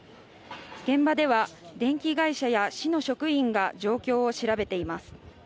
現場では電気会社や市の職員が状況を調べています